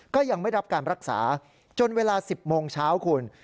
ก็ยังไม่รับการรักษาจนเวลา๑๐โมงเช้าคุณ